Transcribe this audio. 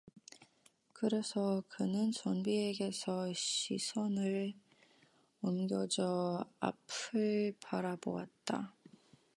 그래서 그는 선비에게서 시선을 옮겨 저 앞을 바라보았다.